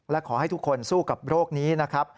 และขอให้ทุกคนสู้กับโรคนี้นะครับ